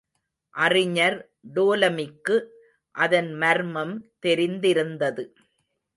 அறிஞர் டோலமிக்கு அதன் மர்மம் தெரிந்திருந்தது.